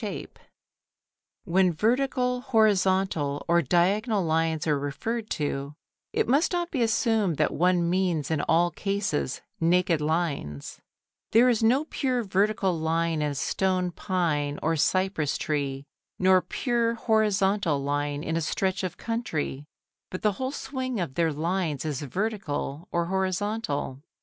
THE SURRENDER OF BREDA VELAZQUEZ (PRADO) Photo Anderson] When vertical, horizontal, or diagonal lines are referred to, it must not be assumed that one means in all cases naked lines. There is no pure vertical line in a stone pine or cypress tree, nor pure horizontal line in a stretch of country, but the whole swing of their lines is vertical or horizontal.